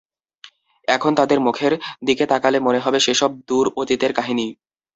এখন তাদের মুখের দিকে তাকালে মনে হবে, সেসব দূর অতীতের কাহিনি।